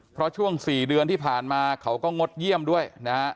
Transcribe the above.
เพราะช่วง๔เดือนที่ผ่านมาเขาก็งดเยี่ยมด้วยนะฮะ